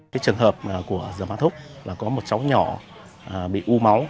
trường hợp của giảm áp thuốc là có một cháu nhỏ bị u máu